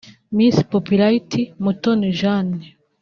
Miss Popularity Mutoni Jane